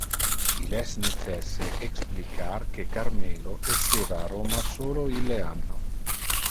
Il es necesse explicar que Carmelo esseva a Roma solo ille anno.